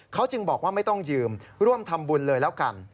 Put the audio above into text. เขาจึงบอกว่าไม่ต้องยืมร่วมทำบุญเลยแล้วกัน